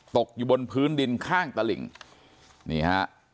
ตกอยู่บนพื้นดินข้างตลิ่งนี่ฮะ